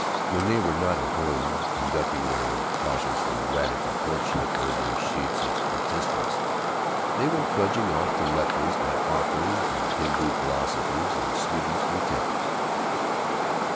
When they were not at home, conducting their cautiously radical courtship over sheets of statistics, they were trudging off to lectures by authors and Hindu philosophers and Swedish lieutenants.